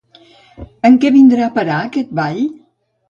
En què vindrà a parar aquest ball?